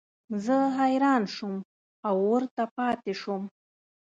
زه حیران شوم او ورته پاتې شوم.